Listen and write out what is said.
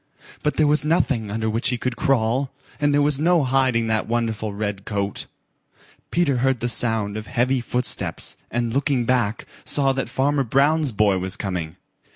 But there was nothing under which he could crawl, and there was no hiding that wonderful red coat. Peter heard the sound of heavy footsteps, and looking back, saw that Farmer Brown's boy was coming.